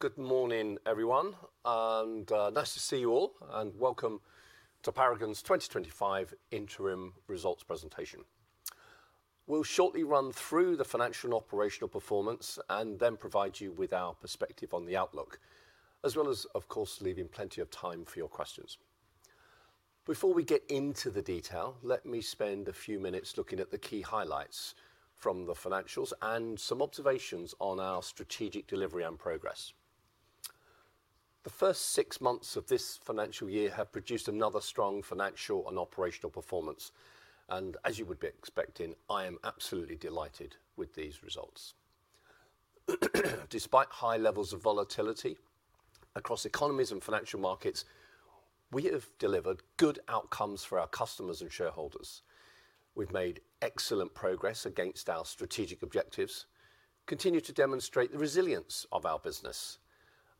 Good morning, everyone. Nice to see you all, and welcome to Paragon's 2025 interim results presentation. We'll shortly run through the financial and operational performance and then provide you with our perspective on the outlook, as well as, of course, leaving plenty of time for your questions. Before we get into the detail, let me spend a few minutes looking at the key highlights from the financials and some observations on our strategic delivery and progress. The first six months of this financial year have produced another strong financial and operational performance. As you would be expecting, I am absolutely delighted with these results. Despite high levels of volatility across economies and financial markets, we have delivered good outcomes for our customers and shareholders. We've made excellent progress against our strategic objectives, continue to demonstrate the resilience of our business,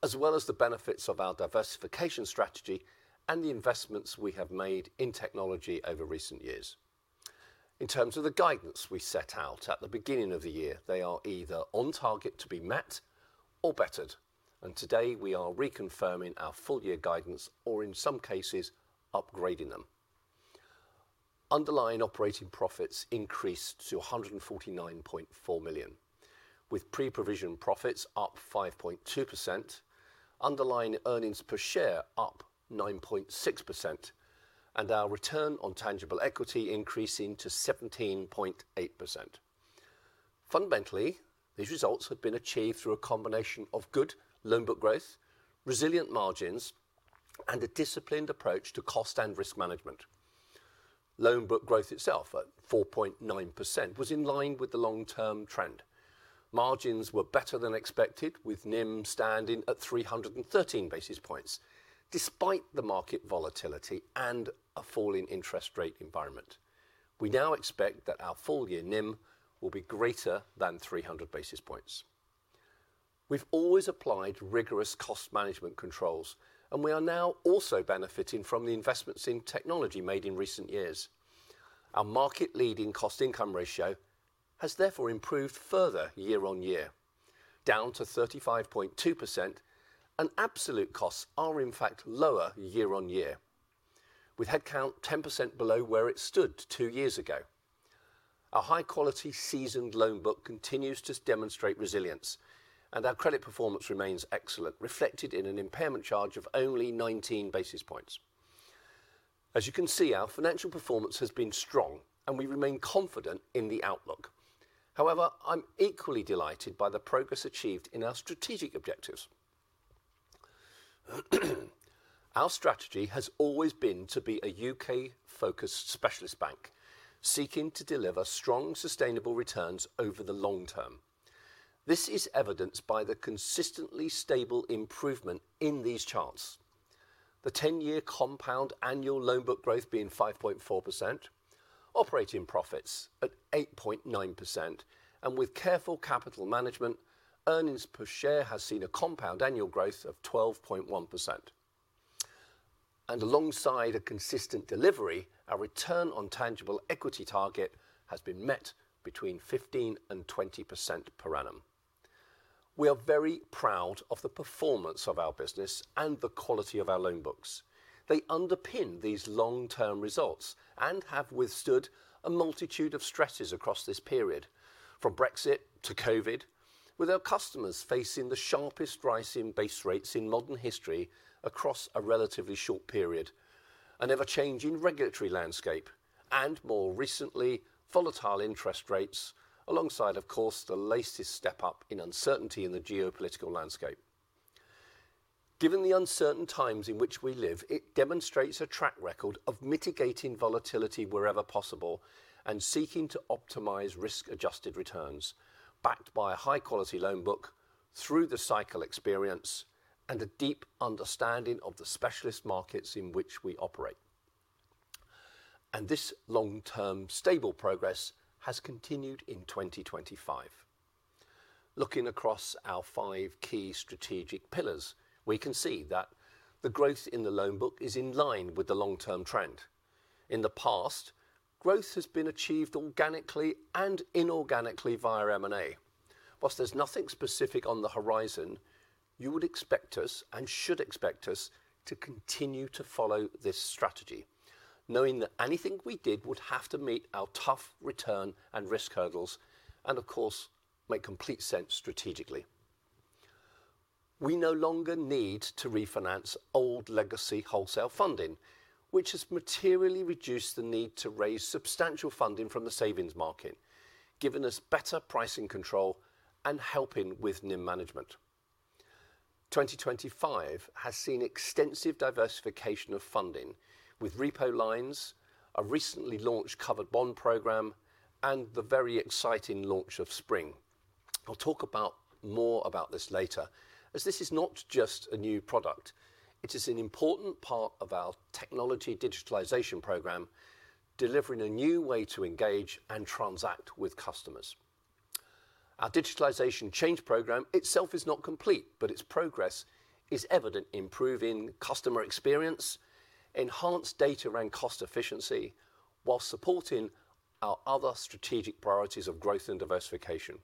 as well as the benefits of our diversification strategy and the investments we have made in technology over recent years. In terms of the guidance we set out at the beginning of the year, they are either on target to be met or bettered. Today, we are reconfirming our full-year guidance or, in some cases, upgrading them. Underlying operating profits increased to 149.4 million, with pre-provision profits up 5.2%, underlying earnings per share up 9.6%, and our return on tangible equity increasing to 17.8%. Fundamentally, these results have been achieved through a combination of good loan book growth, resilient margins, and a disciplined approach to cost and risk management. Loan book growth itself at 4.9% was in line with the long-term trend. Margins were better than expected, with NIM standing at 313 basis points despite the market volatility and a falling interest rate environment. We now expect that our full-year NIM will be greater than 300 basis points. We've always applied rigorous cost management controls, and we are now also benefiting from the investments in technology made in recent years. Our market-leading cost-income ratio has therefore improved further year-on-year, down to 35.2%, and absolute costs are, in fact, lower year-on-year, with headcount 10% below where it stood two years ago. Our high-quality, seasoned loan book continues to demonstrate resilience, and our credit performance remains excellent, reflected in an impairment charge of only 19 basis points. As you can see, our financial performance has been strong, and we remain confident in the outlook. However, I'm equally delighted by the progress achieved in our strategic objectives. Our strategy has always been to be a U.K.-focused specialist bank, seeking to deliver strong, sustainable returns over the long term. This is evidenced by the consistently stable improvement in these charts, the 10-year compound annual loan book growth being 5.4%, operating profits at 8.9%, and with careful capital management, earnings per share has seen a compound annual growth of 12.1%. Alongside a consistent delivery, our return on tangible equity target has been met between 15%-20% per annum. We are very proud of the performance of our business and the quality of our loan books. They underpin these long-term results and have withstood a multitude of stresses across this period, from Brexit to COVID, with our customers facing the sharpest rising base rates in modern history across a relatively short period, an ever-changing regulatory landscape, and more recently, volatile interest rates, alongside, of course, the latest step-up in uncertainty in the geopolitical landscape. Given the uncertain times in which we live, it demonstrates a track record of mitigating volatility wherever possible and seeking to optimize risk-adjusted returns, backed by a high-quality loan book through the cycle experience and a deep understanding of the specialist markets in which we operate. This long-term, stable progress has continued in 2025. Looking across our five key strategic pillars, we can see that the growth in the loan book is in line with the long-term trend. In the past, growth has been achieved organically and inorganically via M&A. Whilst there's nothing specific on the horizon, you would expect us and should expect us to continue to follow this strategy, knowing that anything we did would have to meet our tough return and risk hurdles and, of course, make complete sense strategically. We no longer need to refinance old legacy wholesale funding, which has materially reduced the need to raise substantial funding from the savings market, giving us better pricing control and helping with NIM management. 2025 has seen extensive diversification of funding, with repo lines, a recently launched covered bond program, and the very exciting launch of Spring. I'll talk more about this later, as this is not just a new product. It is an important part of our technology digitalization program, delivering a new way to engage and transact with customers.` Our digitalization change program itself is not complete, but its progress is evident in improving customer experience, enhanced data and cost efficiency, while supporting our other strategic priorities of growth and diversification.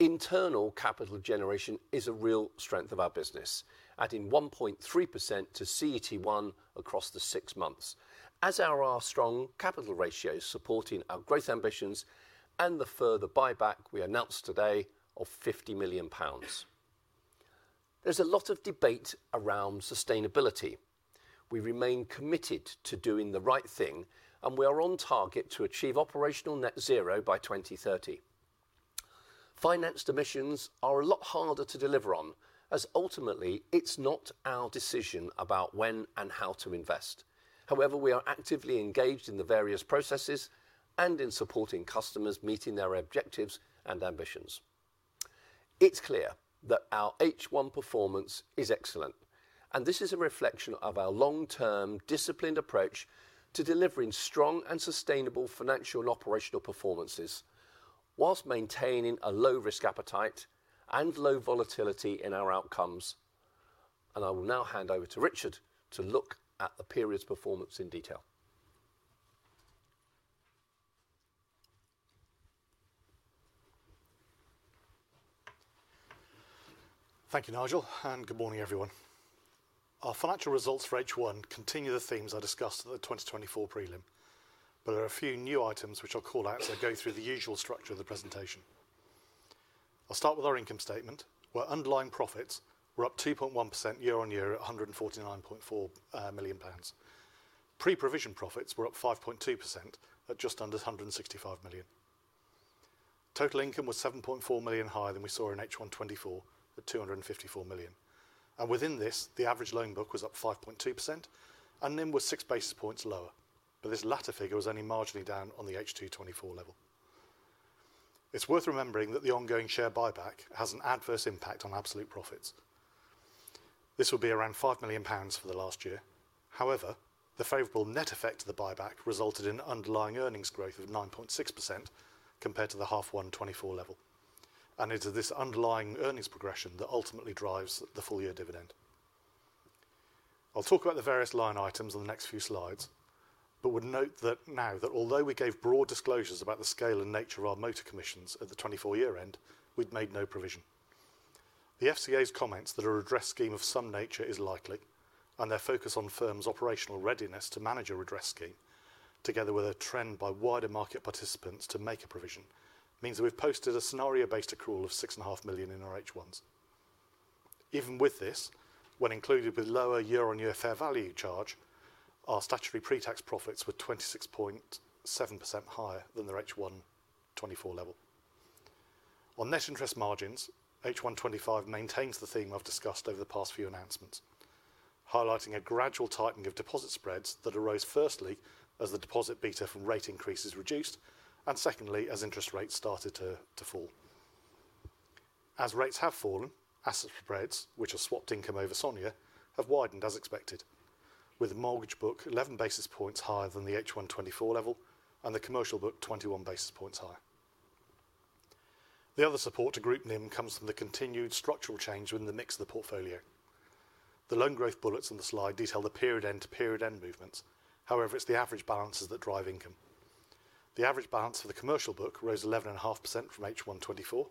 Internal capital generation is a real strength of our business, adding 1.3% to CET1 across the six months, as are our strong capital ratios supporting our growth ambitions and the further buyback we announced today of 50 million pounds. There is a lot of debate around sustainability. We remain committed to doing the right thing, and we are on target to achieve operational net zero by 2030. Financed emissions are a lot harder to deliver on, as ultimately, it is not our decision about when and how to invest. However, we are actively engaged in the various processes and in supporting customers meeting their objectives and ambitions. It's clear that our H1 performance is excellent, and this is a reflection of our long-term, disciplined approach to delivering strong and sustainable financial and operational performances, whilst maintaining a low risk appetite and low volatility in our outcomes. I will now hand over to Richard to look at the period's performance in detail. Thank you, Nigel, and good morning, everyone. Our financial results for H1 continue the themes I discussed at the 2024 prelim, but there are a few new items which I'll call out as I go through the usual structure of the presentation. I'll start with our income statement, where underlying profits were up 2.1% year-on-year at 149.4 million pounds. Pre-provision profits were up 5.2% at just under 165 million. Total income was 7.4 million higher than we saw in H1 2024 at 254 million. Within this, the average loan book was up 5.2%, and NIM was six basis points lower, but this latter figure was only marginally down on the H2 2024 level. It is worth remembering that the ongoing share buyback has an adverse impact on absolute profits. This will be around 5 million pounds for the last year. However, the favorable net effect of the buyback resulted in underlying earnings growth of 9.6% compared to the half-one 2024 level. It is this underlying earnings progression that ultimately drives the full-year dividend. I'll talk about the various line items on the next few slides, but would note now that although we gave broad disclosures about the scale and nature of our motor commissions at the 2024 year end, we'd made no provision. The FCA's comments that a redress scheme of some nature is likely, and their focus on firms' operational readiness to manage a redress scheme, together with a trend by wider market participants to make a provision, means that we've posted a scenario-based accrual of 6.5 million in our H1s. Even with this, when included with lower year-on-year fair value charge, our statutory pre-tax profits were 26.7% higher than the H1 2024 level. On net interest margins, H1 2025 maintains the theme I've discussed over the past few announcements, highlighting a gradual tightening of deposit spreads that arose firstly as the deposit beta from rate increases reduced and secondly, as interest rates started to fall. As rates have fallen, asset spreads, which are swapped income over SONIA, have widened as expected, with the mortgage book 11 basis points higher than the H1 2024 level and the commercial book 21 basis points higher. The other support to group NIM comes from the continued structural change within the mix of the portfolio. The loan growth bullets on the slide detail the period-end to period-end movements. However, it's the average balances that drive income. The average balance for the commercial book rose 11.5% from H1 2024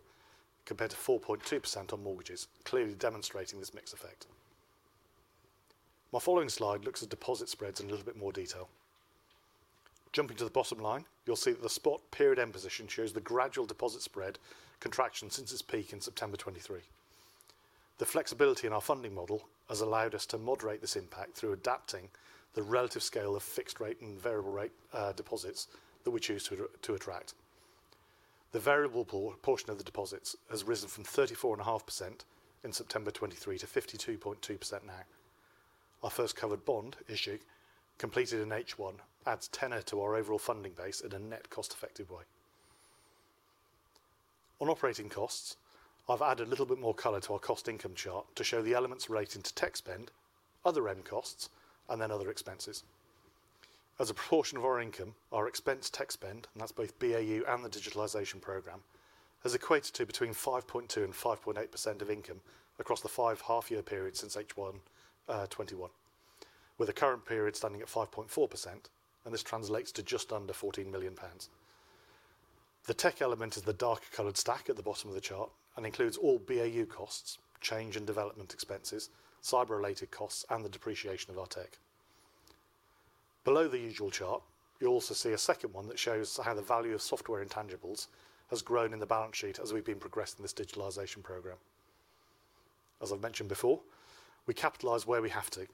compared to 4.2% on mortgages, clearly demonstrating this mixed effect. My following slide looks at deposit spreads in a little bit more detail. Jumping to the bottom line, you'll see that the spot period-end position shows the gradual deposit spread contraction since its peak in September 2023. The flexibility in our funding model has allowed us to moderate this impact through adapting the relative scale of fixed rate and variable rate deposits that we choose to attract. The variable portion of the deposits has risen from 34.5% in September 2023 to 52.2% now. Our first covered bond, ISIC, completed in H1 adds tenor to our overall funding base in a net cost-effective way. On operating costs, I've added a little bit more color to our cost-income chart to show the elements relating to tech spend, other end costs, and then other expenses. As a proportion of our income, our expense tech spend, and that's both BAU and the digitalization program, has equated to between 5.2% and 5.8% of income across the five half-year period since H1 2021, with the current period standing at 5.4%, and this translates to just under 14 million pounds. The tech element is the darker-colored stack at the bottom of the chart and includes all BAU costs, change and development expenses, cyber-related costs, and the depreciation of our tech. Below the usual chart, you'll also see a second one that shows how the value of software intangibles has grown in the balance sheet as we've been progressing this digitalization program. As I've mentioned before, we capitalize where we have to,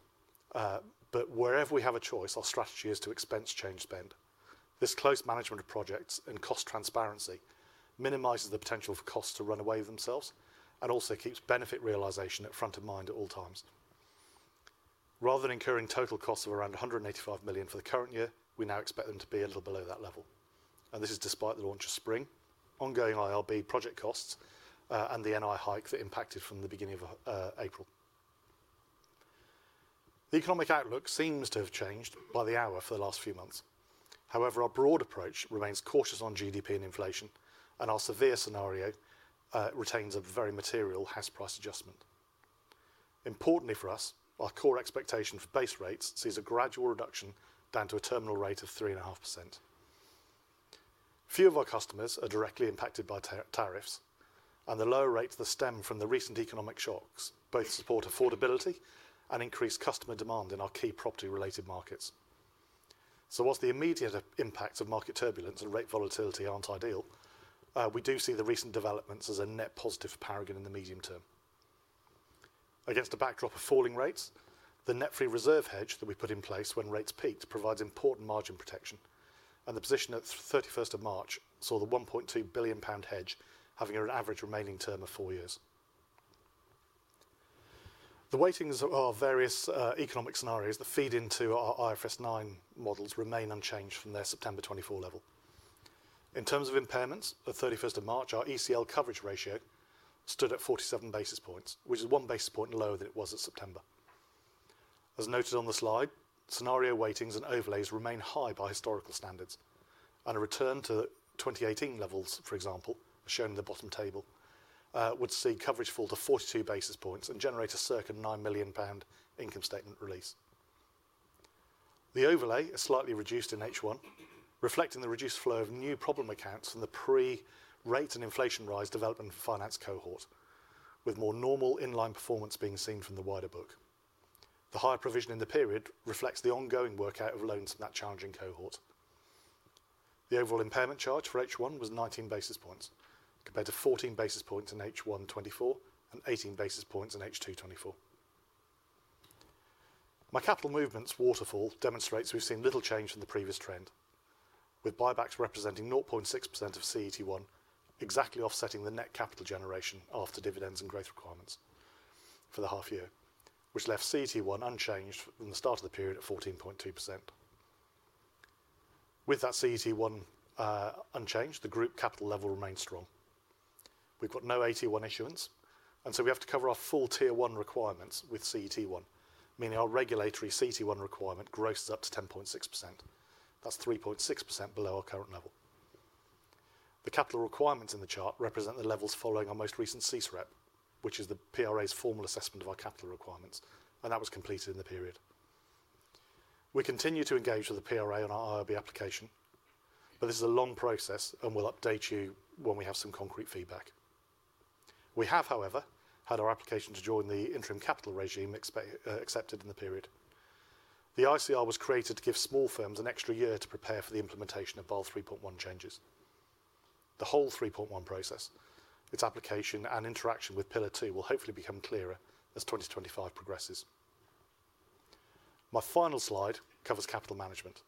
but wherever we have a choice, our strategy is to expense change spend. This close management of projects and cost transparency minimizes the potential for costs to run away of themselves and also keeps benefit realization at front of mind at all times. Rather than incurring total costs of around 185 million for the current year, we now expect them to be a little below that level. This is despite the launch of Spring, ongoing IRB project costs, and the NI hike that impacted from the beginning of April. The economic outlook seems to have changed by the hour for the last few months. However, our broad approach remains cautious on GDP and inflation, and our severe scenario retains a very material house price adjustment. Importantly for us, our core expectation for base rates sees a gradual reduction down to a terminal rate of 3.5%. Few of our customers are directly impacted by tariffs, and the lower rates that stem from the recent economic shocks both support affordability and increase customer demand in our key property-related markets. Whilst the immediate impacts of market turbulence and rate volatility are not ideal, we do see the recent developments as a net positive for Paragon in the medium term. Against a backdrop of falling rates, the net free reserve hedge that we put in place when rates peaked provides important margin protection, and the position at 31st of March saw the 1.2 billion pound hedge having an average remaining term of four years. The weightings of our various economic scenarios that feed into our IFRS 9 models remain unchanged from their September 2024 level. In terms of impairments, at 31st of March, our ECL coverage ratio stood at 47 basis points, which is one basis point lower than it was at September. As noted on the slide, scenario weightings and overlays remain high by historical standards, and a return to 2018 levels, for example, shown in the bottom table, would see coverage fall to 42 basis points and generate a circa 9 million pound income statement release. The overlay is slightly reduced in H1, reflecting the reduced flow of new problem accounts from the pre-rate and inflation rise development finance cohort, with more normal inline performance being seen from the wider book. The higher provision in the period reflects the ongoing workout of loans in that challenging cohort. The overall impairment charge for H1 was 19 basis points compared to 14 basis points in H1 2024 and 18 basis points in H2 2024. My capital movements waterfall demonstrates we've seen little change from the previous trend, with buybacks representing 0.6% of CET1, exactly offsetting the net capital generation after dividends and growth requirements for the half year, which left CET1 unchanged from the start of the period at 14.2%. With that CET1 unchanged, the group capital level remained strong. We've got no AT1 issuance, and so we have to cover our full tier one requirements with CET1, meaning our regulatory CET1 requirement grosses up to 10.6%. That's 3.6% below our current level. The capital requirements in the chart represent the levels following our most recent CSREP, which is the PRA's formal assessment of our capital requirements, and that was completed in the period. We continue to engage with the PRA on our IRB application, but this is a long process, and we'll update you when we have some concrete feedback. We have, however, had our application to join the interim capital regime accepted in the period. The ICR was created to give small firms an extra year to prepare for the implementation of all 3.1 changes. The whole 3.1 process, its application and interaction with Pillar II will hopefully become clearer as 2025 progresses. My final slide covers capital management.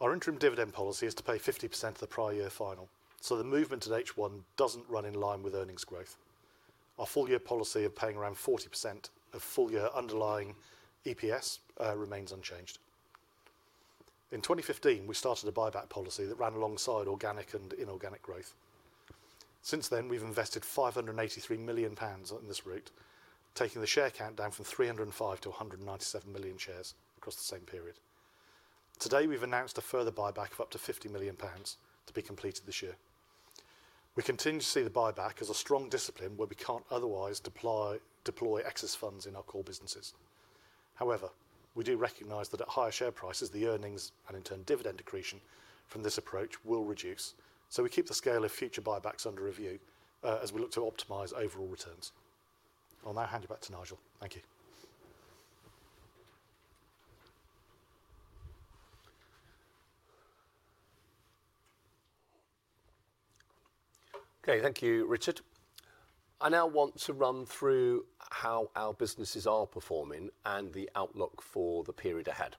Our interim dividend policy is to pay 50% of the prior year final, so the movement at H1 does not run in line with earnings growth. Our full-year policy of paying around 40% of full-year underlying EPS remains unchanged. In 2015, we started a buyback policy that ran alongside organic and inorganic growth. Since then, we have invested 583 million pounds in this route, taking the share count down from 305 to 197 million shares across the same period. Today, we have announced a further buyback of up to 50 million pounds to be completed this year. We continue to see the buyback as a strong discipline where we cannot otherwise deploy excess funds in our core businesses. However, we do recognize that at higher share prices, the earnings and in turn dividend accretion from this approach will reduce, so we keep the scale of future buybacks under review as we look to optimize overall returns. I will now hand you back to Nigel. Thank you. Okay, thank you, Richard. I now want to run through how our businesses are performing and the outlook for the period ahead.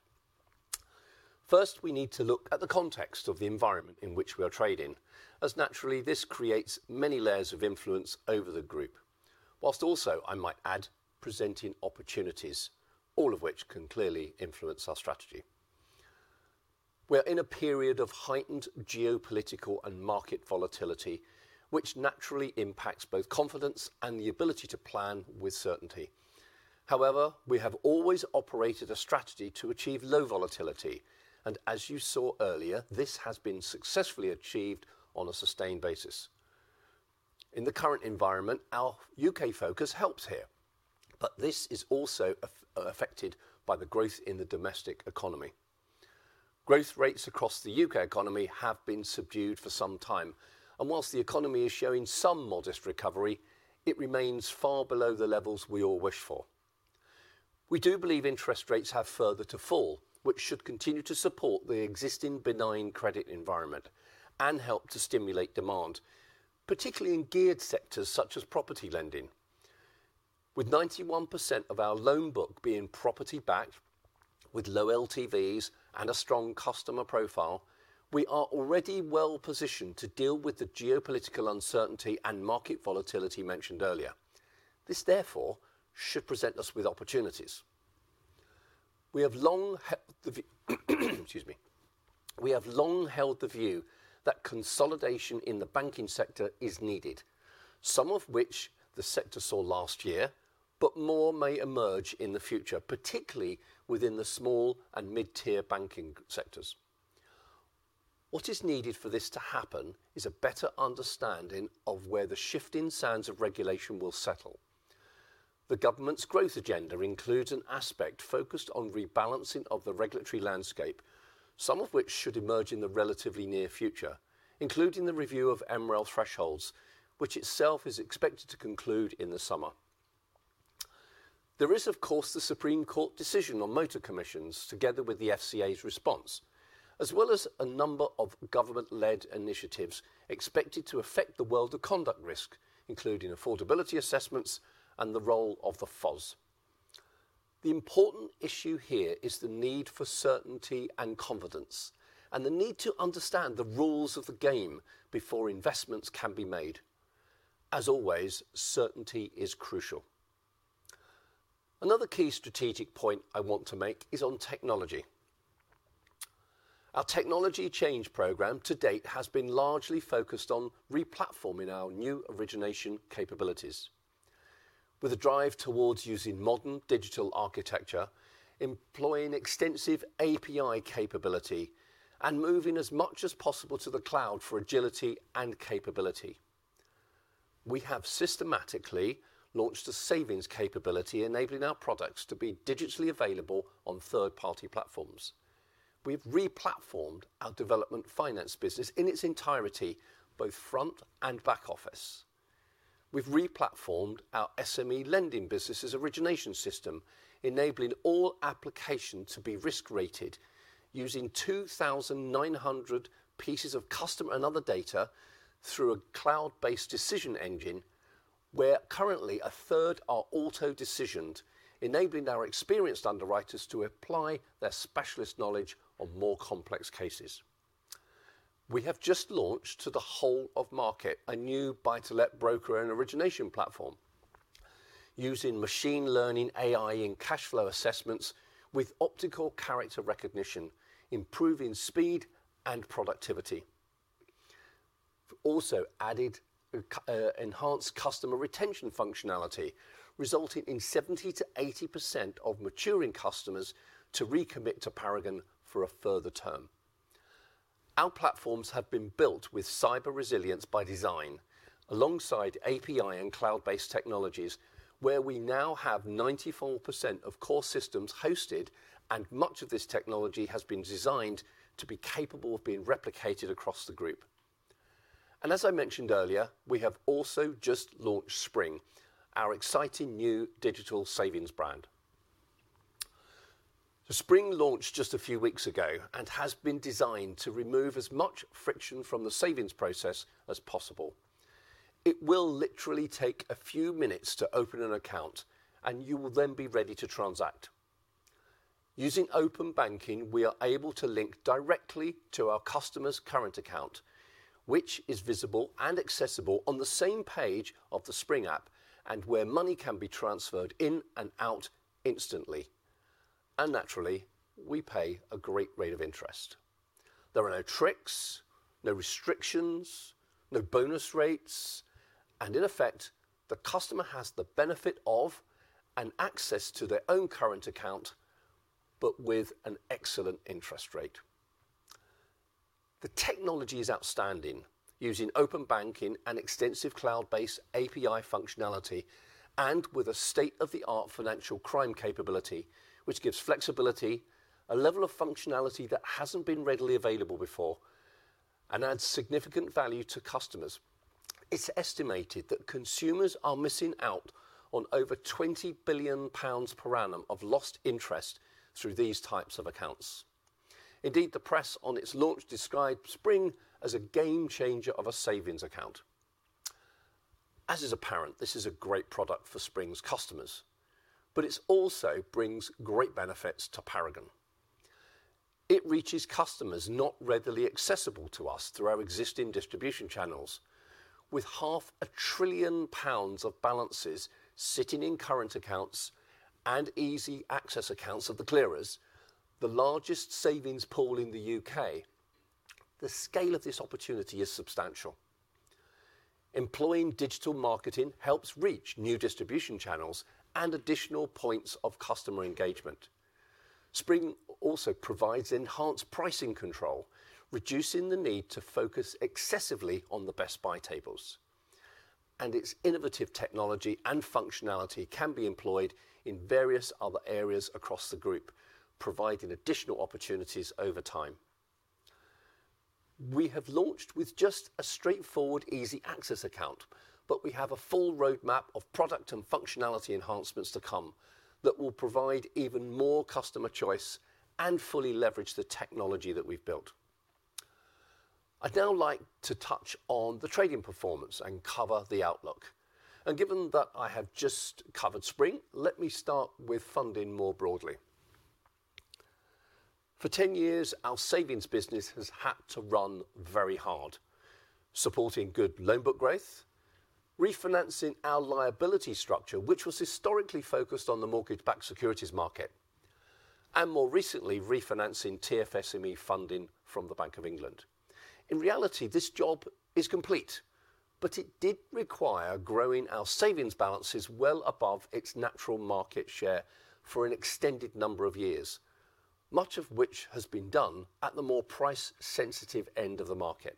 First, we need to look at the context of the environment in which we are trading, as naturally this creates many layers of influence over the group, whilst also, I might add, presenting opportunities, all of which can clearly influence our strategy. We are in a period of heightened geopolitical and market volatility, which naturally impacts both confidence and the ability to plan with certainty. However, we have always operated a strategy to achieve low volatility, and as you saw earlier, this has been successfully achieved on a sustained basis. In the current environment, our U.K. focus helps here, but this is also affected by the growth in the domestic economy. Growth rates across the U.K. economy have been subdued for some time, and whilst the economy is showing some modest recovery, it remains far below the levels we all wish for. We do believe interest rates have further to fall, which should continue to support the existing benign credit environment and help to stimulate demand, particularly in geared sectors such as property lending. With 91% of our loan book being property backed with low LTVs and a strong customer profile, we are already well positioned to deal with the geopolitical uncertainty and market volatility mentioned earlier. This, therefore, should present us with opportunities. We have long held the view that consolidation in the banking sector is needed, some of which the sector saw last year, but more may emerge in the future, particularly within the small and mid-tier banking sectors. What is needed for this to happen is a better understanding of where the shifting sands of regulation will settle. The government's growth agenda includes an aspect focused on rebalancing of the regulatory landscape, some of which should emerge in the relatively near future, including the review of MREL thresholds, which itself is expected to conclude in the summer. There is, of course, the Supreme Court decision on motor commissions together with the FCA's response, as well as a number of government-led initiatives expected to affect the world of conduct risk, including affordability assessments and the role of the FOS. The important issue here is the need for certainty and confidence, and the need to understand the rules of the game before investments can be made. As always, certainty is crucial. Another key strategic point I want to make is on technology. Our technology change program to date has been largely focused on replatforming our new origination capabilities, with a drive towards using modern digital architecture, employing extensive API capability, and moving as much as possible to the cloud for agility and capability. We have systematically launched a savings capability enabling our products to be digitally available on third-party platforms. We have replatformed our development finance business in its entirety, both front and back office. We've replatformed our SME lending business's origination system, enabling all applications to be risk-rated using 2,900 pieces of customer and other data through a cloud-based decision engine, where currently a third are auto-decisioned, enabling our experienced underwriters to apply their specialist knowledge on more complex cases. We have just launched to the whole of market a new buy-to-let broker and origination platform, using machine learning, AI, and cash flow assessments with optical character recognition, improving speed and productivity. We have also added enhanced customer retention functionality, resulting in 70%-80% of maturing customers to recommit to Paragon for a further term. Our platforms have been built with cyber resilience by design alongside API and cloud-based technologies, where we now have 94% of core systems hosted, and much of this technology has been designed to be capable of being replicated across the group. As I mentioned earlier, we have also just launched Spring, our exciting new digital savings brand. Spring launched just a few weeks ago and has been designed to remove as much friction from the savings process as possible. It will literally take a few minutes to open an account, and you will then be ready to transact. Using open banking, we are able to link directly to our customer's current account, which is visible and accessible on the same page of the Spring app and where money can be transferred in and out instantly. Naturally, we pay a great rate of interest. There are no tricks, no restrictions, no bonus rates, and in effect, the customer has the benefit of and access to their own current account, but with an excellent interest rate. The technology is outstanding, using open banking and extensive cloud-based API functionality, and with a state-of-the-art financial crime capability, which gives flexibility, a level of functionality that has not been readily available before, and adds significant value to customers. It's estimated that consumers are missing out on over 20 billion pounds per annum of lost interest through these types of accounts. Indeed, the press on its launch described Spring as a game changer of a savings account. As is apparent, this is a great product for Spring's customers, but it also brings great benefits to Paragon. It reaches customers not readily accessible to us through our existing distribution channels, with 500 billion pounds of balances sitting in current accounts and easy access accounts of the clearers, the largest savings pool in the U.K. The scale of this opportunity is substantial. Employing digital marketing helps reach new distribution channels and additional points of customer engagement. Spring also provides enhanced pricing control, reducing the need to focus excessively on the best buy tables. Its innovative technology and functionality can be employed in various other areas across the group, providing additional opportunities over time. We have launched with just a straightforward easy access account, but we have a full roadmap of product and functionality enhancements to come that will provide even more customer choice and fully leverage the technology that we have built. I would now like to touch on the trading performance and cover the outlook. Given that I have just covered Spring, let me start with funding more broadly. For 10 years, our savings business has had to run very hard, supporting good loan book growth, refinancing our liability structure, which was historically focused on the mortgage-backed securities market, and more recently, refinancing TFSME funding from the Bank of England. In reality, this job is complete, but it did require growing our savings balances well above its natural market share for an extended number of years, much of which has been done at the more price-sensitive end of the market.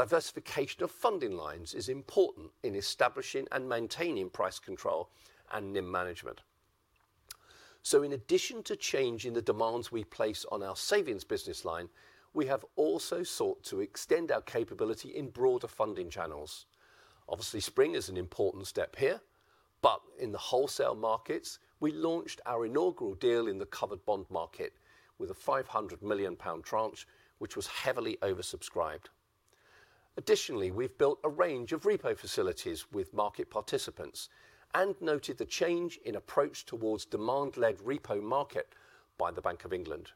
Diversification of funding lines is important in establishing and maintaining price control and NIM management. In addition to changing the demands we place on our savings business line, we have also sought to extend our capability in broader funding channels. Obviously, Spring is an important step here, but in the wholesale markets, we launched our inaugural deal in the covered bond market with a 500 million pound tranche, which was heavily oversubscribed. Additionally, we have built a range of repo facilities with market participants and noted the change in approach towards demand-led repo market by the Bank of England.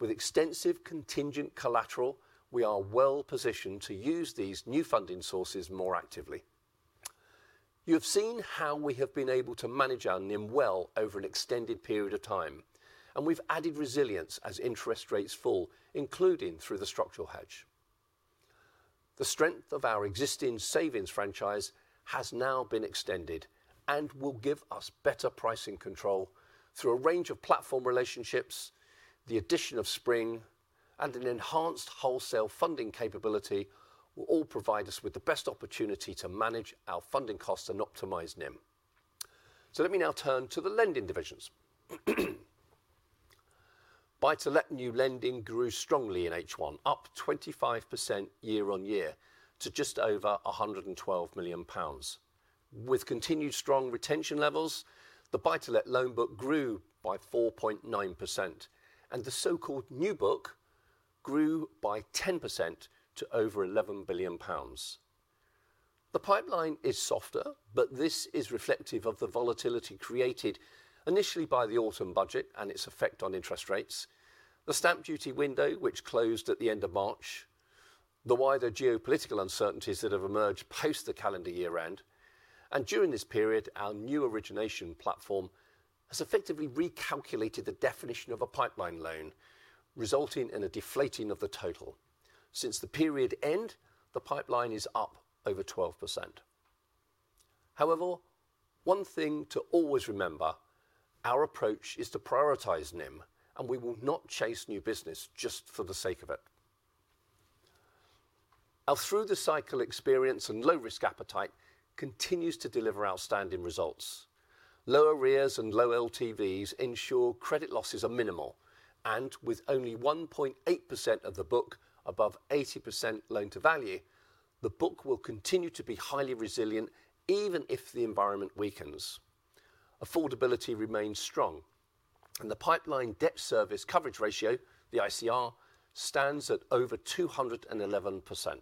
With extensive contingent collateral, we are well positioned to use these new funding sources more actively. You have seen how we have been able to manage our NIM well over an extended period of time, and we've added resilience as interest rates fall, including through the structural hedge. The strength of our existing savings franchise has now been extended and will give us better pricing control through a range of platform relationships. The addition of Spring and an enhanced wholesale funding capability will all provide us with the best opportunity to manage our funding costs and optimize NIM. Let me now turn to the lending divisions. Buy-to-let new lending grew strongly in H1, up 25% year-on-year to just over 112 million pounds. With continued strong retention levels, the buy-to-let loan book grew by 4.9%, and the so-called new book grew by 10% to over 11 billion pounds. The pipeline is softer, but this is reflective of the volatility created initially by the Autumn Budget and its effect on interest rates, the stamp duty window which closed at the end of March, the wider geopolitical uncertainties that have emerged post the calendar year-end, and during this period, our new origination platform has effectively recalculated the definition of a pipeline loan, resulting in a deflating of the total. Since the period end, the pipeline is up over 12%. However, one thing to always remember: our approach is to prioritize NIM, and we will not chase new business just for the sake of it. Our through-the-cycle experience and low-risk appetite continues to deliver outstanding results. Lower rears and low LTVs ensure credit losses are minimal, and with only 1.8% of the book above 80% loan-to-value, the book will continue to be highly resilient even if the environment weakens. Affordability remains strong, and the pipeline debt service coverage ratio, the ICR, stands at over 211%.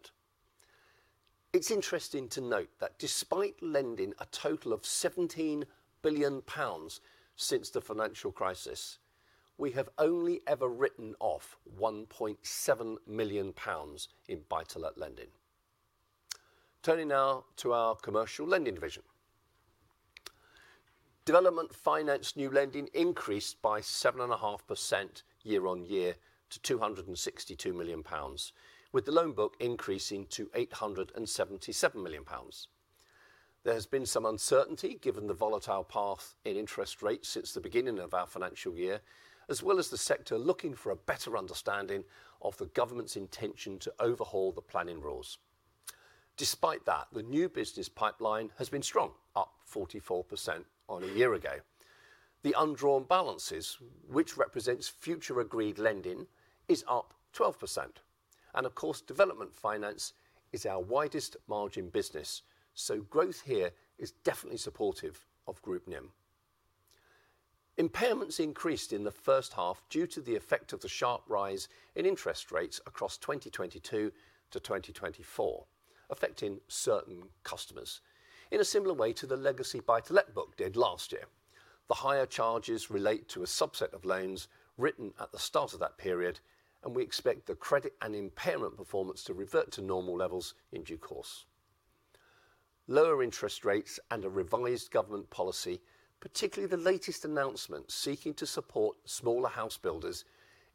It's interesting to note that despite lending a total of 17 billion pounds since the financial crisis, we have only ever written off 1.7 million pounds in buy-to-let lending. Turning now to our commercial lending division. Development finance new lending increased by 7.5% year-on -ear to 262 million pounds, with the loan book increasing to 877 million pounds. There has been some uncertainty given the volatile path in interest rates since the beginning of our financial year, as well as the sector looking for a better understanding of the government's intention to overhaul the planning rules. Despite that, the new business pipeline has been strong, up 44% on a year ago. The undrawn balances, which represents future agreed lending, is up 12%. Of course, development finance is our widest margin business, so growth here is definitely supportive of Group NIM. Impairments increased in the first half due to the effect of the sharp rise in interest rates across 2022 to 2024, affecting certain customers in a similar way to the legacy buy-to-let book did last year. The higher charges relate to a subset of loans written at the start of that period, and we expect the credit and impairment performance to revert to normal levels in due course. Lower interest rates and a revised government policy, particularly the latest announcement seeking to support smaller house builders,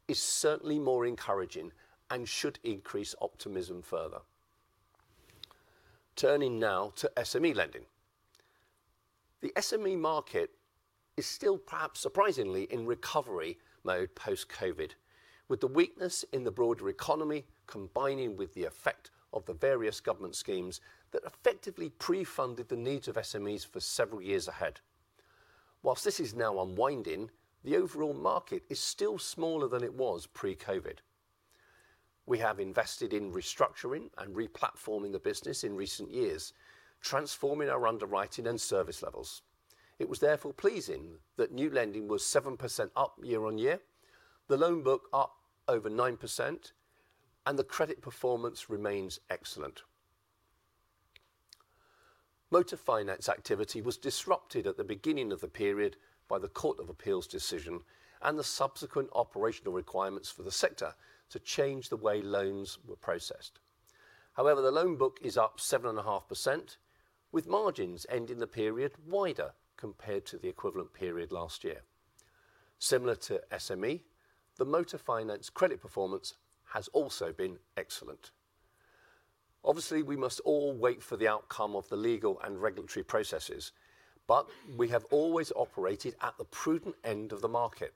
is certainly more encouraging and should increase optimism further. Turning now to SME lending. The SME market is still perhaps surprisingly in recovery mode post-COVID, with the weakness in the broader economy combining with the effect of the various government schemes that effectively pre-funded the needs of SMEs for several years ahead. Whilst this is now unwinding, the overall market is still smaller than it was pre-COVID. We have invested in restructuring and replatforming the business in recent years, transforming our underwriting and service levels. It was therefore pleasing that new lending was 7% up year-on year, the loan book up over 9%, and the credit performance remains excellent. Motor finance activity was disrupted at the beginning of the period by the Court of Appeals decision and the subsequent operational requirements for the sector to change the way loans were processed. However, the loan book is up 7.5%, with margins ending the period wider compared to the equivalent period last year. Similar to SME, the motor finance credit performance has also been excellent. Obviously, we must all wait for the outcome of the legal and regulatory processes, but we have always operated at the prudent end of the market,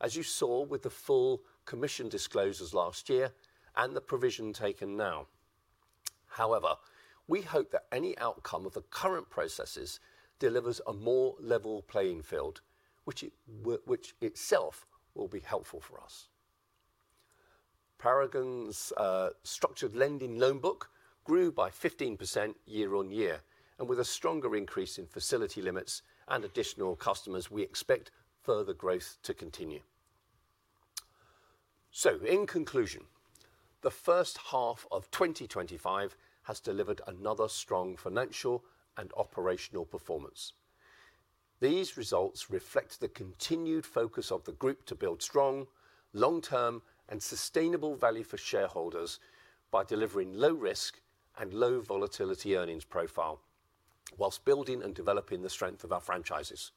as you saw with the full commission disclosures last year and the provision taken now. However, we hope that any outcome of the current processes delivers a more level playing field, which itself will be helpful for us. Paragon's structured lending loan book grew by 15% year-on-year, and with a stronger increase in facility limits and additional customers, we expect further growth to continue. In conclusion, the first half of 2025 has delivered another strong financial and operational performance. These results reflect the continued focus of the group to build strong, long-term, and sustainable value for shareholders by delivering a low-risk and low-volatility earnings profile whilst building and developing the strength of our franchises.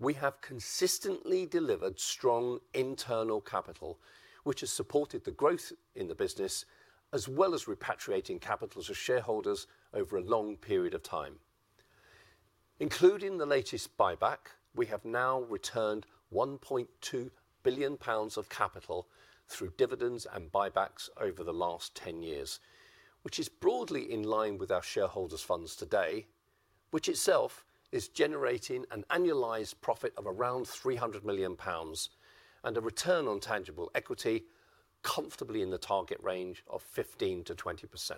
We have consistently delivered strong internal capital, which has supported the growth in the business as well as repatriating capital to shareholders over a long period of time. Including the latest buyback, we have now returned 1.2 billion pounds of capital through dividends and buybacks over the last 10 years, which is broadly in line with our shareholders' funds today, which itself is generating an annualized profit of around 300 million pounds and a return on tangible equity comfortably in the target range of 15%-20%.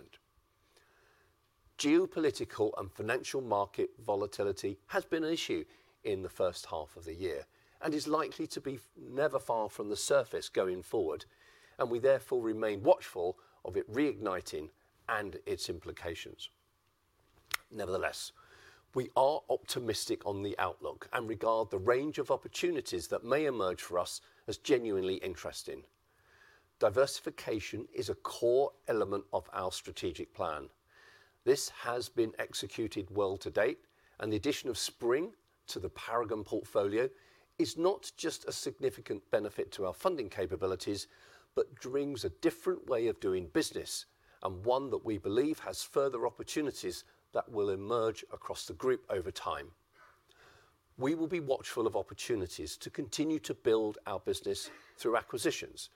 Geopolitical and financial market volatility has been an issue in the first half of the year and is likely to be never far from the surface going forward, and we therefore remain watchful of it reigniting and its implications. Nevertheless, we are optimistic on the outlook and regard the range of opportunities that may emerge for us as genuinely interesting. Diversification is a core element of our strategic plan. This has been executed well to date, and the addition of Spring to the Paragon portfolio is not just a significant benefit to our funding capabilities, but brings a different way of doing business and one that we believe has further opportunities that will emerge across the group over time. We will be watchful of opportunities to continue to build our business through acquisitions,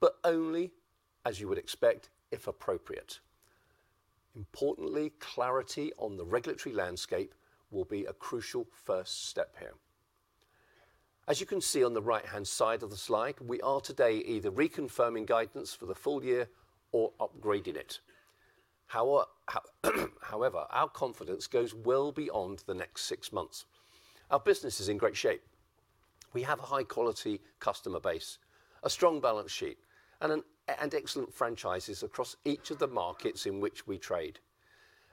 but only, as you would expect, if appropriate. Importantly, clarity on the regulatory landscape will be a crucial first step here. As you can see on the right-hand side of the slide, we are today either reconfirming guidance for the full year or upgrading it. However, our confidence goes well beyond the next six months. Our business is in great shape. We have a high-quality customer base, a strong balance sheet, and excellent franchises across each of the markets in which we trade.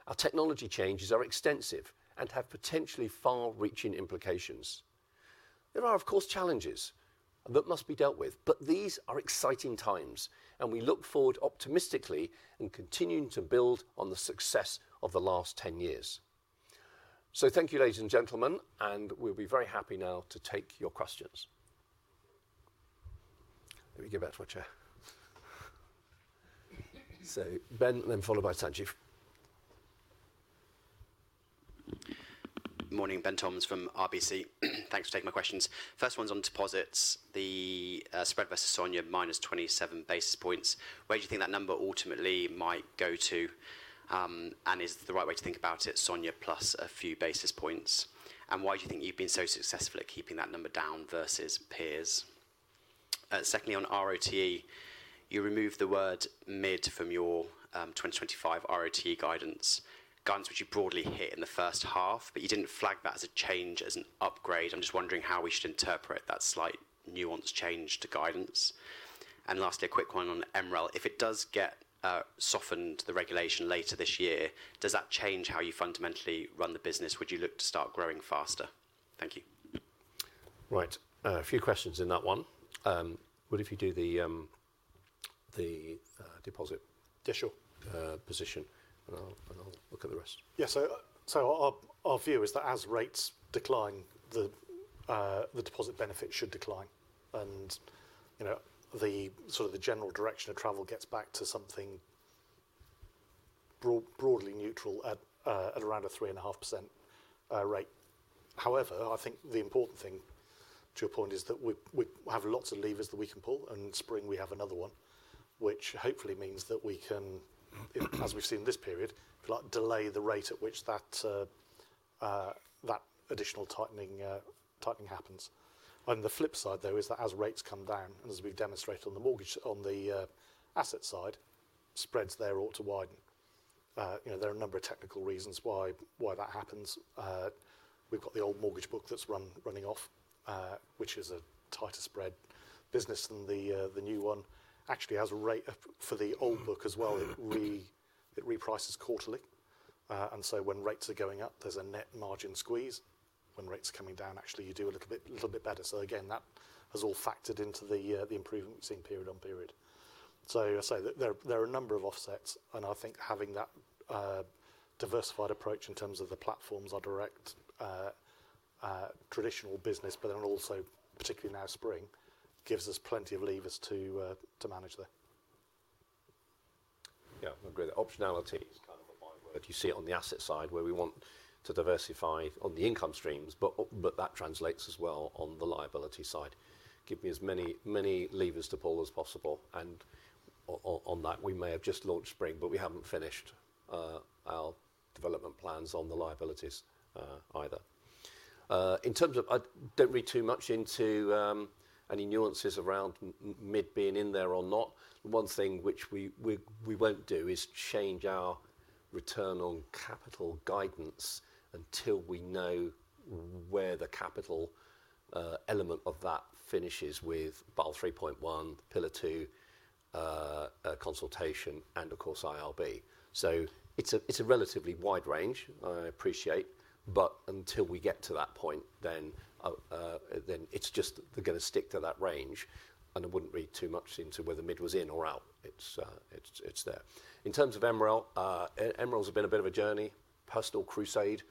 Our technology changes are extensive and have potentially far-reaching implications. There are, of course, challenges that must be dealt with, but these are exciting times, and we look forward optimistically and continue to build on the success of the last 10 years. Thank you, ladies and gentlemen, and we'll be very happy now to take your questions. Let me give that to a chair. Ben, then followed by Sanjena. Morning, Ben Toms from RBC. Thanks for taking my questions. First one's on deposits. The spread versus SONIA minus 27 basis points. Where do you think that number ultimately might go to? Is it the right way to think about it, SONIA plus a few basis points? Why do you think you've been so successful at keeping that number down versus peers? Secondly, on ROTE, you removed the word mid from your 2025 ROTE guidance, guidance which you broadly hit in the first half, but you did not flag that as a change, as an upgrade. I'm just wondering how we should interpret that slight nuanced change to guidance. Lastly, a quick one on MREL. If it does get softened, the regulation later this year, does that change how you fundamentally run the business? Would you look to start growing faster? Thank you. Right. A few questions in that one. What if you do the deposit position, and I'll look at the rest? Yeah. Our view is that as rates decline, the deposit benefit should decline, and the sort of general direction of travel gets back to something broadly neutral at around a 3.5% rate. However, I think the important thing, to your point, is that we have lots of levers that we can pull, and in Spring, we have another one, which hopefully means that we can, as we've seen in this period, delay the rate at which that additional tightening happens. On the flip side, though, is that as rates come down, and as we've demonstrated on the asset side, spreads there ought to widen. There are a number of technical reasons why that happens. We've got the old mortgage book that's running off, which is a tighter spread business than the new one. Actually, as a rate for the old book as well, it reprices quarterly. When rates are going up, there's a net margin squeeze. When rates are coming down, actually, you do a little bit better. That has all factored into the improvement we've seen period-on-period. I say there are a number of offsets, and I think having that diversified approach in terms of the platforms, our direct traditional business, but then also particularly now Spring, gives us plenty of levers to manage there. Yeah, I agree. The optionality is kind of a mind-blower. You see it on the asset side where we want to diversify on the income streams, but that translates as well on the liability side. Give me as many levers to pull as possible. We may have just launched Spring, but we have not finished our development plans on the liabilities either. In terms of I do not read too much into any nuances around mid being in there or not. One thing which we will not do is change our return on capital guidance until we know where the capital element of that finishes with BAL 3.1, Pillar II consultation, and of course, IRB. It is a relatively wide range, I appreciate, but until we get to that point, then it is just going to stick to that range, and I would not read too much into whether mid was in or out. It is there. In terms of MREL, MREL has been a bit of a journey, personal crusade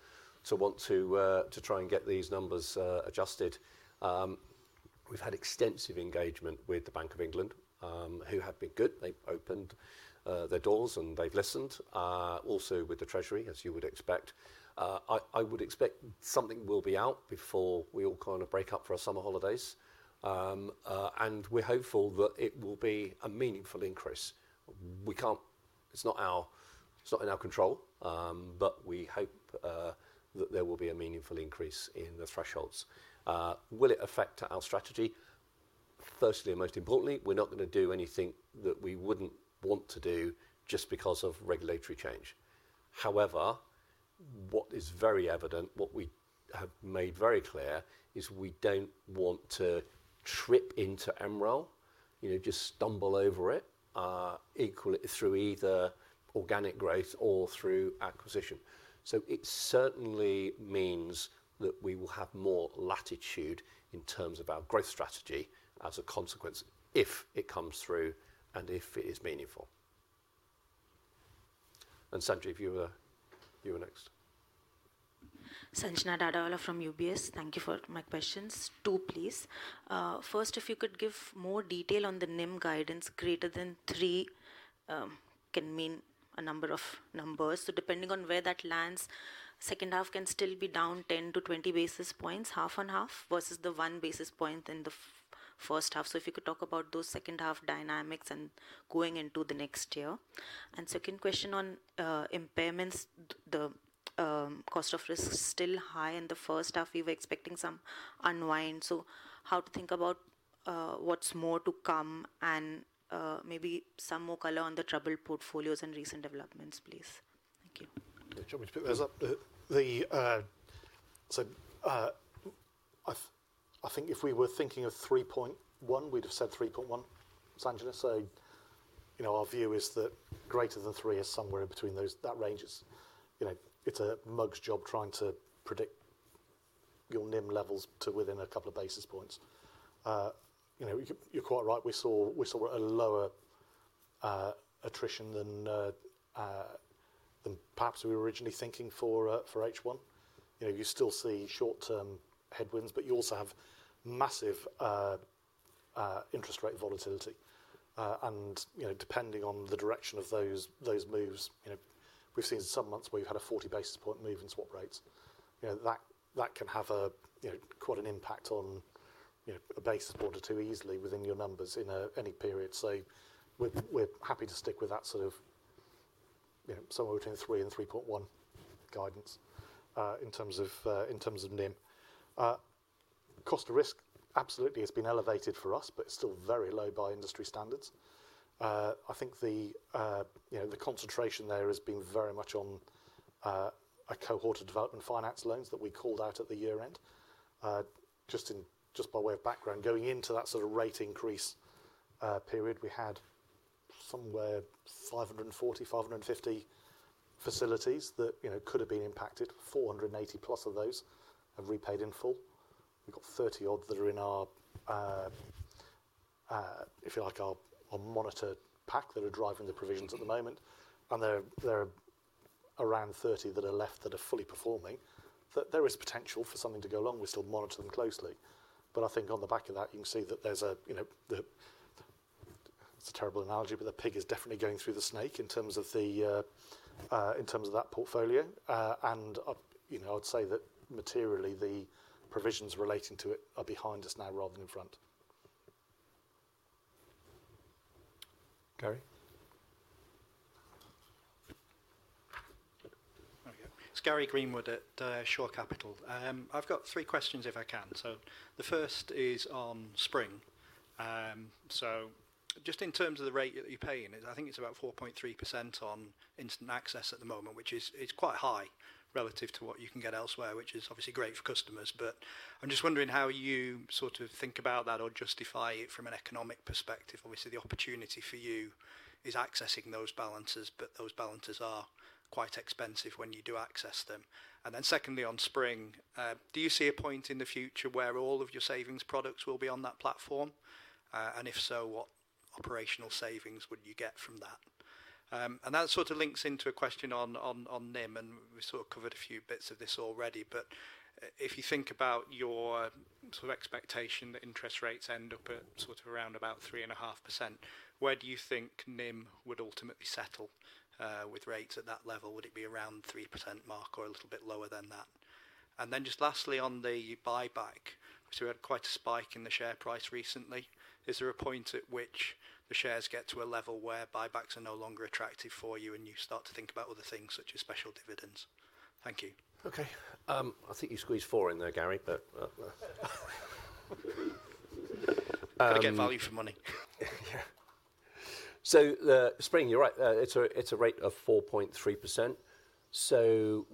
to want to try and get these numbers adjusted. We've had extensive engagement with the Bank of England, who have been good. They've opened their doors, and they've listened. Also with the Treasury, as you would expect. I would expect something will be out before we all kind of break up for our summer holidays, and we're hopeful that it will be a meaningful increase. It's not in our control, but we hope that there will be a meaningful increase in the thresholds. Will it affect our strategy? Firstly and most importantly, we're not going to do anything that we wouldn't want to do just because of regulatory change. However, what is very evident, what we have made very clear, is we don't want to trip into MREL, just stumble over it through either organic growth or through acquisition. It certainly means that we will have more latitude in terms of our growth strategy as a consequence if it comes through and if it is meaningful. Sanjena, if you were next. Sanjena Dadawala from UBS. Thank you for my questions. Two, please. First, if you could give more detail on the NIM guidance, greater than three can mean a number of numbers. Depending on where that lands, second half can still be down 10-20 basis points, half and half versus the one basis point in the first half. If you could talk about those second half dynamics and going into the next year. Second question on impairments, the cost of risk is still high in the first half. We were expecting some unwind. How to think about what's more to come and maybe some more color on the troubled portfolios and recent developments, please. Thank you. I think if we were thinking of 3.1, we'd have said 3.1, Sanjena, our view is that greater than three is somewhere in between those ranges. It's a mug's job trying to predict your NIM levels to within a couple of basis points. You're quite right. We saw a lower attrition than perhaps we were originally thinking for H1. You still see short-term headwinds, but you also have massive interest rate volatility. Depending on the direction of those moves, we've seen some months where we've had a 40 basis point move in swap rates. That can have quite an impact on a basis point or two easily within your numbers in any period. We're happy to stick with that sort of somewhere between 3 and 3.1 guidance in terms of NIM. Cost of risk, absolutely, has been elevated for us, but it's still very low by industry standards. I think the concentration there has been very much on a cohort of development finance loans that we called out at the year end. Just by way of background, going into that sort of rate increase period, we had somewhere 540-550 facilities that could have been impacted. 480 plus of those have repaid in full. We've got 30 odds that are in our, if you like, our monitor pack that are driving the provisions at the moment. There are around 30 that are left that are fully performing. There is potential for something to go wrong. We still monitor them closely. I think on the back of that, you can see that there is a—it is a terrible analogy, but the pig is definitely going through the snake in terms of that portfolio. I would say that materially, the provisions relating to it are behind us now rather than in front. Gary. It is Gary Greenwood at Shore Capital. I have three questions if I can. The first is on Spring. In terms of the rate that you are paying, I think it is about 4.3% on instant access at the moment, which is quite high relative to what you can get elsewhere, which is obviously great for customers. I am just wondering how you sort of think about that or justify it from an economic perspective. Obviously, the opportunity for you is accessing those balances, but those balances are quite expensive when you do access them. Secondly, on Spring, do you see a point in the future where all of your savings products will be on that platform? If so, what operational savings would you get from that? That sort of links into a question on NIM, and we have sort of covered a few bits of this already. If you think about your sort of expectation that interest rates end up at around 3.5%, where do you think NIM would ultimately settle with rates at that level? Would it be around the 3% mark or a little bit lower than that? Lastly, on the buyback, obviously, we had quite a spike in the share price recently. Is there a point at which the shares get to a level where buybacks are no longer attractive for you and you start to think about other things such as special dividends? Thank you. Okay. I think you squeezed four in there, Gary, but. I get value for money. Yeah. Spring, you're right. It's a rate of 4.3%. The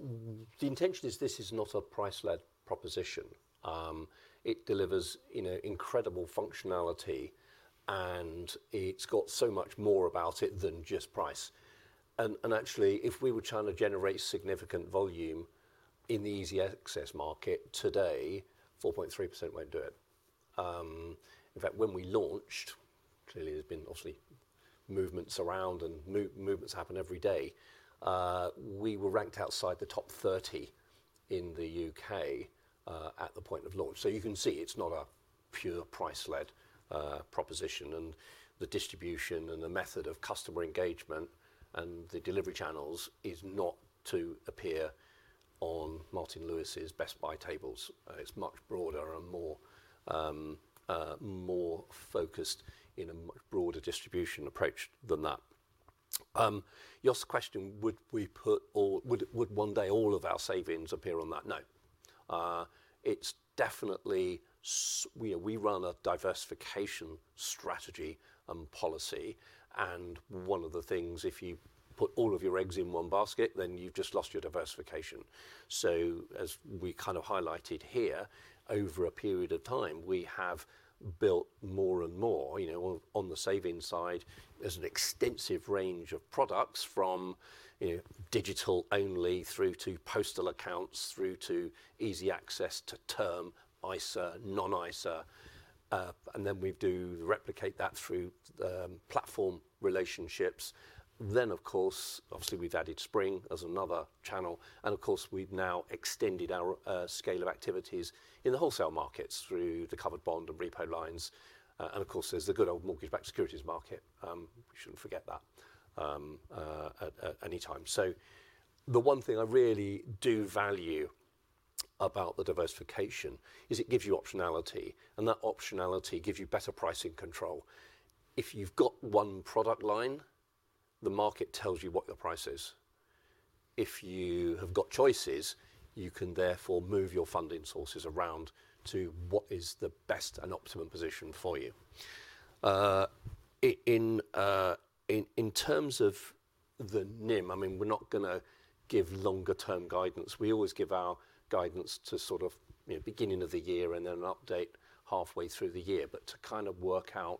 intention is this is not a price-led proposition. It delivers incredible functionality, and it's got so much more about it than just price. Actually, if we were trying to generate significant volume in the easy access market today, 4.3% will not do it. In fact, when we launched, clearly, there have been obviously movements around and movements happen every day. We were ranked outside the top 30 in the U.K. at the point of launch. You can see it's not a pure price-led proposition. The distribution and the method of customer engagement and the delivery channels is not to appear on Martin Lewis's best buy tables. It is much broader and more focused in a much broader distribution approach than that. Your question, would we put or would one day all of our savings appear on that? No. We definitely run a diversification strategy and policy. One of the things, if you put all of your eggs in one basket, then you have just lost your diversification. As we kind of highlighted here, over a period of time, we have built more and more on the savings side. There is an extensive range of products from digital only through to postal accounts through to easy access to term, ISA, non-ISA. We do replicate that through platform relationships. Of course, obviously, we have added Spring as another channel. Of course, we have now extended our scale of activities in the wholesale markets through the covered bond and repo lines. There is the good old mortgage-backed securities market. We should not forget that at any time. The one thing I really do value about the diversification is it gives you optionality, and that optionality gives you better pricing control. If you have one product line, the market tells you what your price is. If you have choices, you can therefore move your funding sources around to what is the best and optimum position for you. In terms of the NIM, I mean, we are not going to give longer-term guidance. We always give our guidance to sort of beginning of the year and then an update halfway through the year. To kind of work out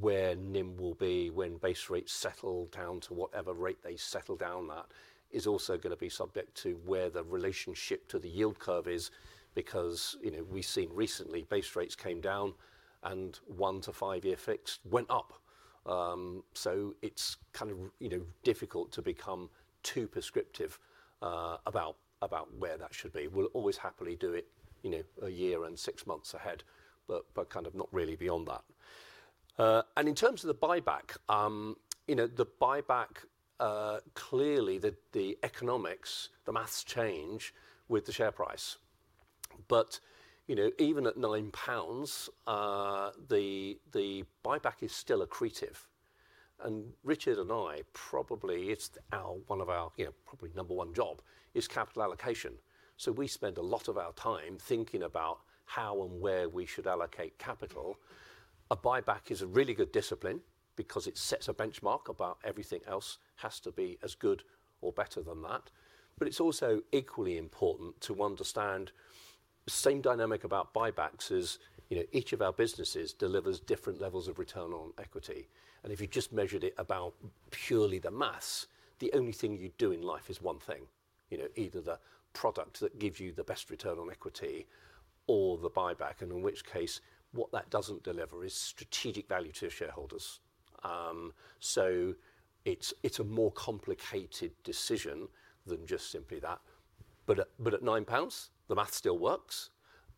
where NIM will be when base rates settle down to whatever rate they settle down at is also going to be subject to where the relationship to the yield curve is because we have seen recently base rates came down and one- to five-year fixed went up. It is kind of difficult to become too prescriptive about where that should be. We will always happily do it a year and six months ahead, but kind of not really beyond that. In terms of the buyback, the buyback, clearly, the economics, the maths change with the share price. Even at 9 pounds, the buyback is still accretive. Richard and I, probably one of our probably number one job is capital allocation. We spend a lot of our time thinking about how and where we should allocate capital. A buyback is a really good discipline because it sets a benchmark about everything else has to be as good or better than that. It is also equally important to understand the same dynamic about buybacks is each of our businesses delivers different levels of return on equity. If you just measured it about purely the math, the only thing you do in life is one thing, either the product that gives you the best return on equity or the buyback, and in which case what that does not deliver is strategic value to shareholders. It is a more complicated decision than just simply that. At 9 pounds, the math still works.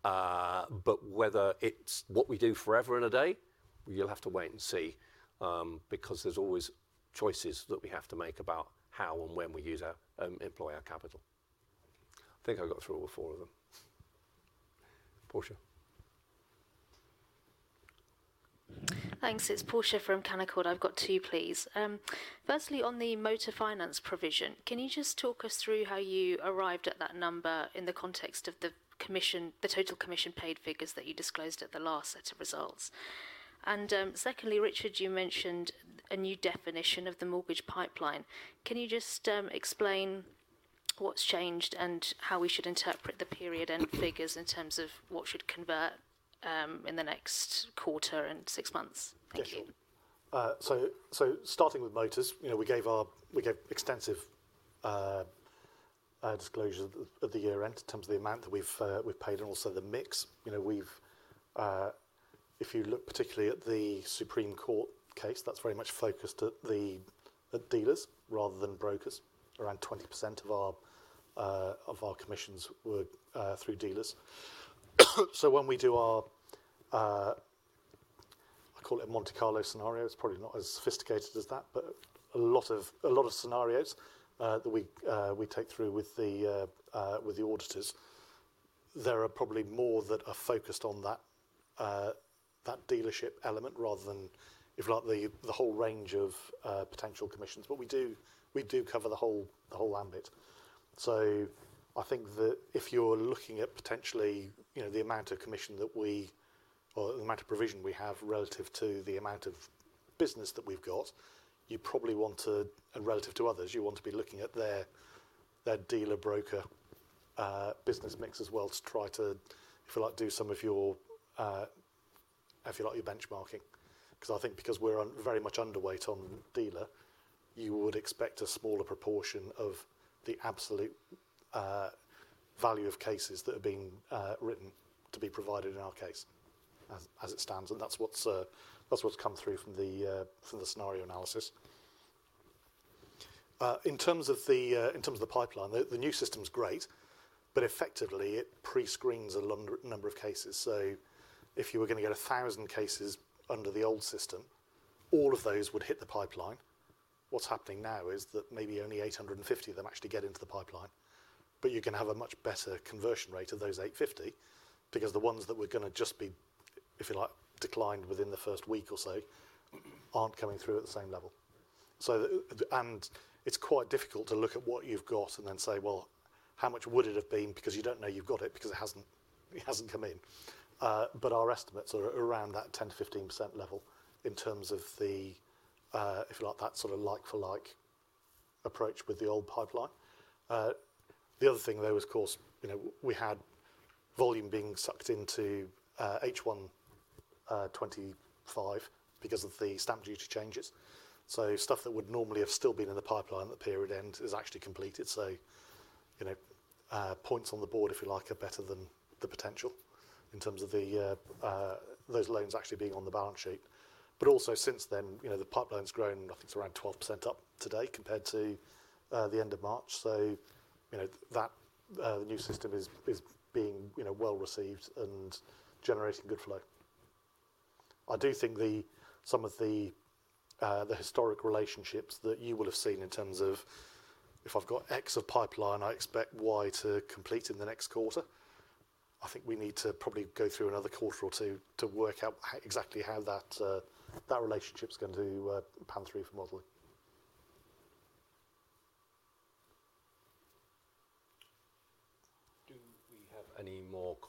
Whether it is what we do forever and a day, you will have to wait and see because there are always choices that we have to make about how and when we employ our capital. I think I got through all four of them. Portia. Thanks. It's Portia from Canaccord. I've got two, please. Firstly, on the motor finance provision, can you just talk us through how you arrived at that number in the context of the total commission paid figures that you disclosed at the last set of results? And secondly, Richard, you mentioned a new definition of the mortgage pipeline. Can you just explain what's changed and how we should interpret the period and figures in terms of what should convert in the next quarter and six months? Thank you. Starting with motors, we gave extensive disclosure at the year end in terms of the amount that we've paid and also the mix. If you look particularly at the Supreme Court case, that's very much focused at dealers rather than brokers. Around 20% of our commissions were through dealers. When we do our—I call it a Monte Carlo scenario. It's probably not as sophisticated as that, but a lot of scenarios that we take through with the auditors, there are probably more that are focused on that dealership element rather than the whole range of potential commissions. We do cover the whole ambit. I think that if you're looking at potentially the amount of commission that we or the amount of provision we have relative to the amount of business that we've got, you probably want to—relative to others, you want to be looking at their dealer-broker business mix as well to try to, if you like, do some of your—if you like, your benchmarking. Because I think because we're very much underweight on dealer, you would expect a smaller proportion of the absolute value of cases that have been written to be provided in our case as it stands. That's what's come through from the scenario analysis. In terms of the pipeline, the new system's great, but effectively, it pre-screens a number of cases. If you were going to get 1,000 cases under the old system, all of those would hit the pipeline. What's happening now is that maybe only 850 of them actually get into the pipeline. You can have a much better conversion rate of those 850 because the ones that were going to just be, if you like, declined within the first week or so aren't coming through at the same level. It is quite difficult to look at what you have got and then say, "Well, how much would it have been?" because you do not know you have got it because it has not come in. Our estimates are around that 10%-15% level in terms of the, if you like, that sort of like-for-like approach with the old pipeline. The other thing, of course, is we had volume being sucked into H1 2025 because of the stamp duty changes. Stuff that would normally have still been in the pipeline at the period end is actually completed. Points on the board, if you like, are better than the potential in terms of those loans actually being on the balance sheet. Also, since then, the pipeline has grown. I think it is around 12% up today compared to the end of March. That new system is being well received and generating good flow. I do think some of the historic relationships that you will have seen in terms of if I've got X of pipeline, I expect Y to complete in the next quarter. I think we need to probably go through another quarter or two to work out exactly how that relationship's going to pantry for modeling.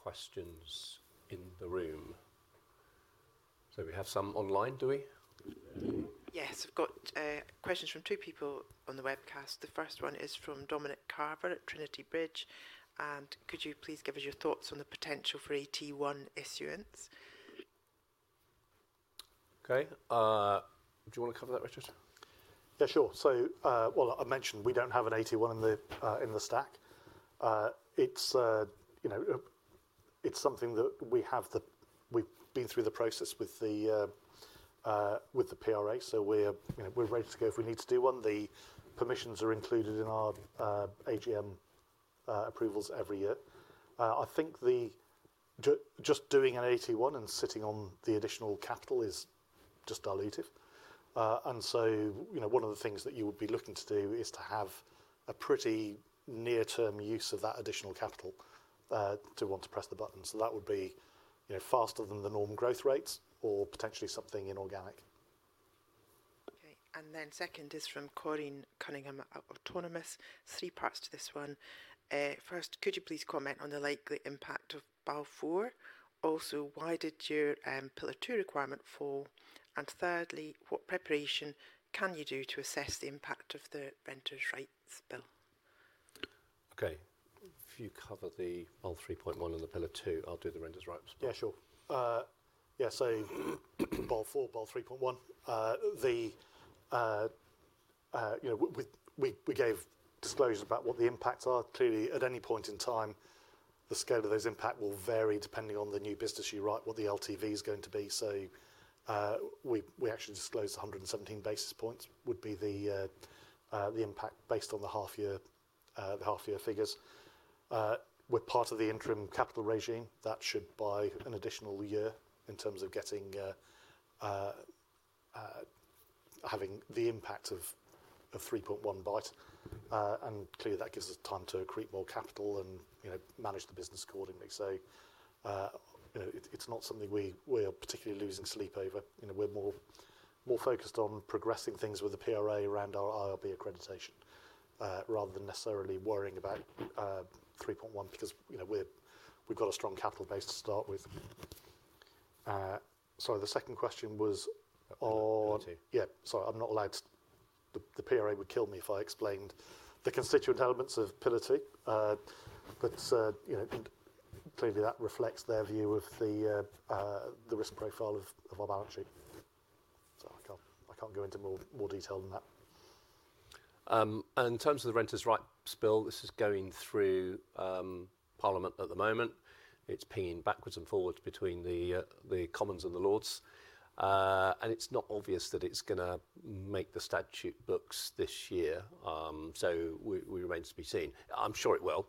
Do we have any more questions in the room? We have some online, do we? Yes. We have questions from two people on the webcast. The first one is from Dominic Carver at Trinity Bridge. Could you please give us your thoughts on the potential for AT1 issuance? Do you want to cover that, Richard? Yeah, sure. I mentioned, we do not have an AT1 in the stack. It's something that we have—we have been through the process with the PRA, so we are ready to go if we need to do one. The permissions are included in our AGM approvals every year. I think just doing an AT1 and sitting on the additional capital is just dilutive. One of the things that you would be looking to do is to have a pretty near-term use of that additional capital to want to press the button. That would be faster than the norm growth rates or potentially something inorganic. Okay. The second is from Corinne Cunningham at Autonomous. Three parts to this one. First, could you please comment on the likely impact of BAL 4? Also, why did your Pillar II requirement fall? Thirdly, what preparation can you do to assess the impact of the renters' rights bill? Okay. If you cover the BAL 3.1 and the Pillar II, I'll do the renters' rights bill. Yeah, sure. Yeah. So BAL 4, BAL 3.1. We gave disclosures about what the impacts are. Clearly, at any point in time, the scale of those impacts will vary depending on the new business you write, what the LTV is going to be. We actually disclosed 117 basis points would be the impact based on the half-year figures. With part of the interim capital regime, that should buy an additional year in terms of having the impact of 3.1 bites. That gives us time to accrete more capital and manage the business accordingly. It is not something we are particularly losing sleep over. We're more focused on progressing things with the PRA around our IRB accreditation rather than necessarily worrying about 3.1 because we've got a strong capital base to start with. Sorry, the second question was on Pillar 2. Yeah. Sorry, I'm not allowed to—the PRA would kill me if I explained the constituent elements of Pillar 2. Clearly, that reflects their view of the risk profile of our balance sheet. I can't go into more detail than that. In terms of the renters' rights bill, this is going through Parliament at the moment. It's pinging backwards and forwards between the Commons and the Lords. It's not obvious that it's going to make the statute books this year. We remain to be seen. I'm sure it will.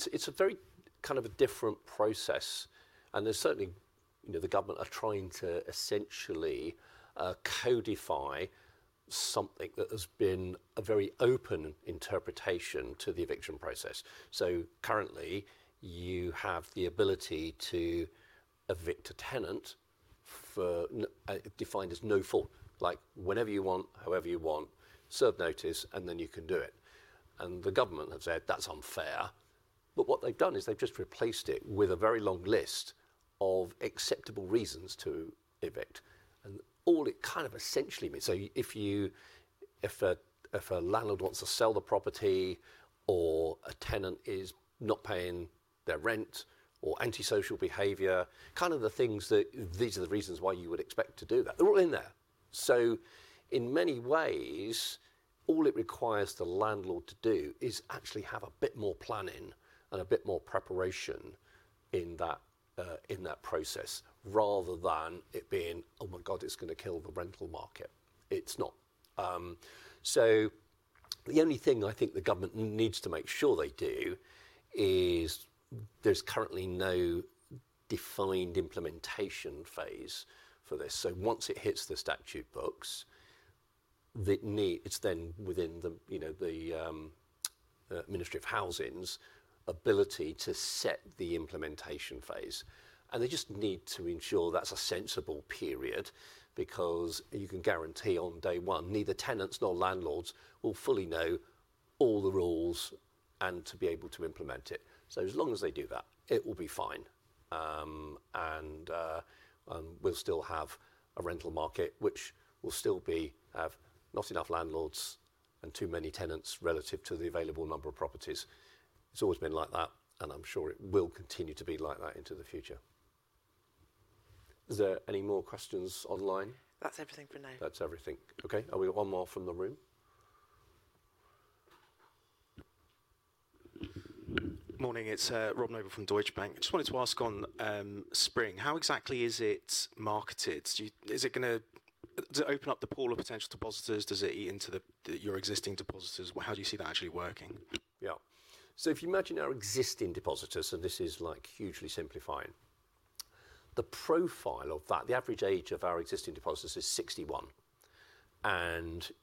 It's a very kind of a different process. There is certainly the government are trying to essentially codify something that has been a very open interpretation to the eviction process. Currently, you have the ability to evict a tenant defined as no fault, like whenever you want, however you want, serve notice, and then you can do it. The government have said, "That's unfair." What they have done is they have just replaced it with a very long list of acceptable reasons to evict. All it kind of essentially means—if a landlord wants to sell the property or a tenant is not paying their rent or antisocial behavior, kind of the things that these are the reasons why you would expect to do that. They are all in there. In many ways, all it requires the landlord to do is actually have a bit more planning and a bit more preparation in that process rather than it being, "Oh my God, it's going to kill the rental market." It's not. The only thing I think the government needs to make sure they do is there's currently no defined implementation phase for this. Once it hits the statute books, it's then within the Ministry of Housing's ability to set the implementation phase. They just need to ensure that's a sensible period because you can guarantee on day one, neither tenants nor landlords will fully know all the rules and to be able to implement it. As long as they do that, it will be fine. We'll still have a rental market, which will still have not enough landlords and too many tenants relative to the available number of properties. It's always been like that, and I'm sure it will continue to be like that into the future. Is there any more questions online? That's everything for now. That's everything. Okay. We got one more from the room. Morning. It's Rob Noble from Deutsche Bank. I just wanted to ask on Spring, how exactly is it marketed? Is it going to open up the pool of potential depositors? Does it eat into your existing depositors? How do you see that actually working? Yeah. If you imagine our existing depositors, and this is hugely simplifying, the profile of that, the average age of our existing depositors is 61.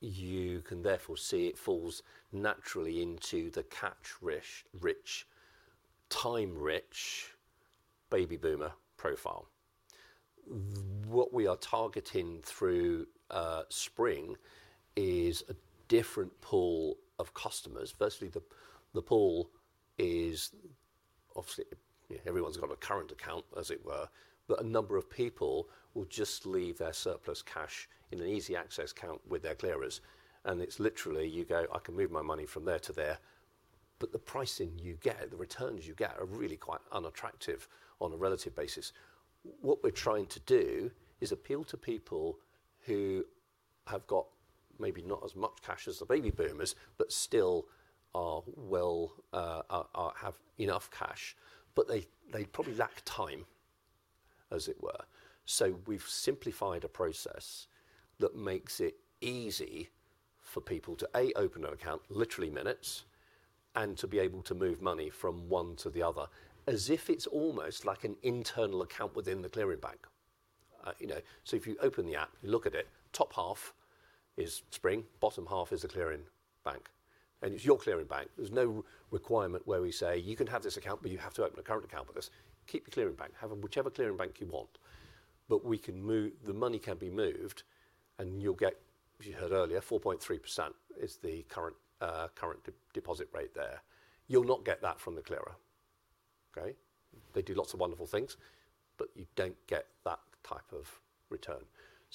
You can therefore see it falls naturally into the cash-rich, time-rich, baby boomer profile. What we are targeting through Spring is a different pool of customers. Firstly, the pool is obviously everyone's got a current account, as it were, but a number of people will just leave their surplus cash in an easy access account with their clearers. It is literally you go, "I can move my money from there to there." The pricing you get, the returns you get are really quite unattractive on a relative basis. What we are trying to do is appeal to people who have got maybe not as much cash as the baby boomers but still have enough cash, but they probably lack time, as it were. We have simplified a process that makes it easy for people to, A, open an account, literally in minutes, and to be able to move money from one to the other as if it is almost like an internal account within the clearing bank. If you open the app, you look at it, top half is Spring, bottom half is the clearing bank. And it is your clearing bank. There is no requirement where we say, "You can have this account, but you have to open a current account with us." Keep your clearing bank. Have whichever clearing bank you want. The money can be moved, and you will get, as you heard earlier, 4.3% is the current deposit rate there. You will not get that from the clearer. They do lots of wonderful things, but you do not get that type of return.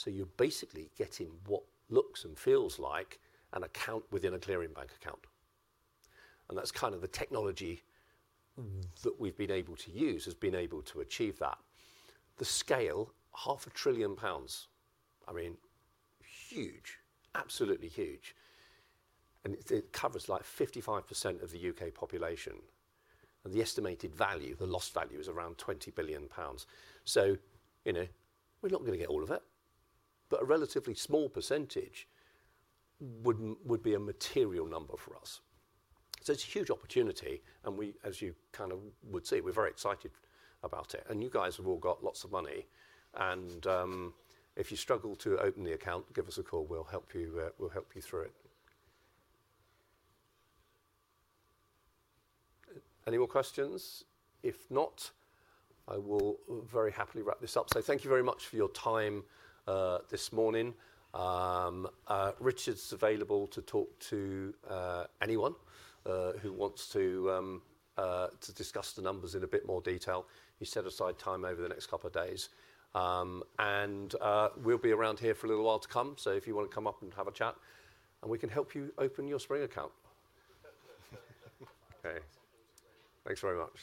You're basically getting what looks and feels like an account within a clearing bank account. That's kind of the technology that we've been able to use, has been able to achieve that. The scale, 500 billion pounds, I mean, huge, absolutely huge. It covers like 55% of the U.K. population. The estimated value, the lost value, is around 20 billion pounds. We're not going to get all of it, but a relatively small percentage would be a material number for us. It's a huge opportunity. As you kind of would see, we're very excited about it. You guys have all got lots of money. If you struggle to open the account, give us a call. We'll help you through it. Any more questions? If not, I will very happily wrap this up. Thank you very much for your time this morning. Richard's available to talk to anyone who wants to discuss the numbers in a bit more detail. He's set aside time over the next couple of days. We will be around here for a little while to come. If you want to come up and have a chat, we can help you open your Spring account. Okay. Thanks very much.